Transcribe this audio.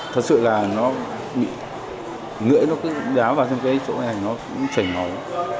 thật sự là nó bị ngưỡi nó cứ đá vào trong cái chỗ này nó cũng chảy máu